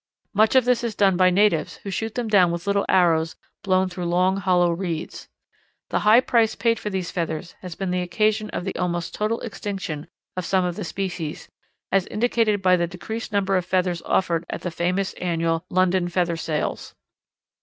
Much of this is done by natives who shoot them down with little arrows blown through long hollow reeds. The high price paid for these feathers has been the occasion of the almost total extinction of some of the species, as indicated by the decreased number of feathers offered at the famous annual London Feather Sales.